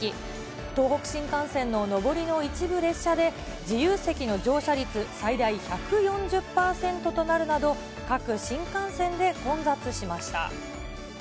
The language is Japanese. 東北新幹線の上りの一部列車で、自由席の乗車率最大１４０％となるなど、各新幹線で混雑しました。